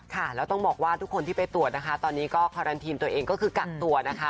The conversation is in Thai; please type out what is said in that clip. ค่ะแล้วต้องบอกว่าทุกคนที่ไปตรวจนะคะตอนนี้ก็คารันทีนตัวเองก็คือกักตัวนะคะ